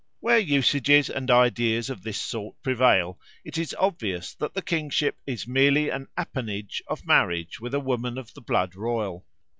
Where usages and ideas of this sort prevail, it is obvious that the kingship is merely an appanage of marriage with a woman of the blood royal.